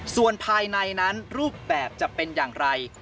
ส่วนภายในนั้นรูปแบบจะเป็นอย่างไร